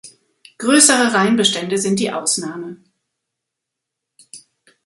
Größere Reinbestände sind die Ausnahme.